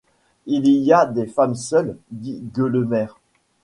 Il y a des femmes seules, dit Gueulemer.